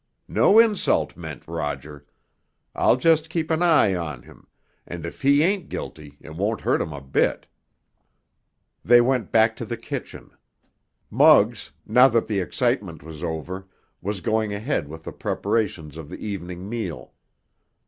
No insult meant, Roger. I'll just keep an eye on him, and if he ain't guilty it won't hurt him a bit." They went back to the kitchen. Muggs, now that the excitement was over, was going ahead with the preparations of the evening meal.